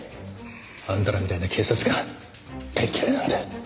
あんたらみたいな警察官大嫌いなんだよ。